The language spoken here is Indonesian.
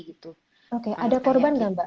gitu oke ada korban nggak mbak